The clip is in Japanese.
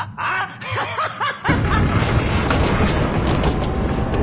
ハハハハハ！